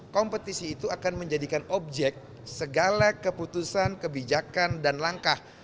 kompetisi itu akan menjadikan objek segala keputusan kebijakan dan langkah